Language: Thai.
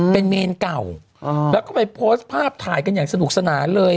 เป็นเมนเก่าแล้วก็ไปโพสต์ภาพถ่ายกันอย่างสนุกสนานเลย